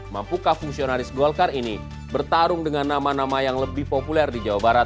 mampukah fungsionaris golkar ini bertarung dengan nama nama yang lebih populer di jawa barat